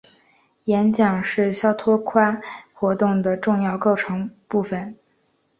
演讲是肖托夸活动的重要构成部分。